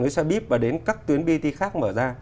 người xe bíp và đến các tuyến bt khác mở ra